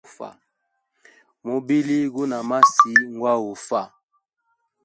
Mubili guna masi ngwa ufwa.